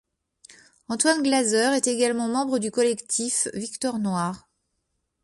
Antoine Glaser est également membre du collectif Victor Noir.